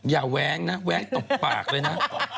อย่าแว้งนะแว้งตกปากเลยนะ